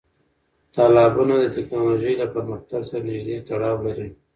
تالابونه د تکنالوژۍ له پرمختګ سره نږدې تړاو لري.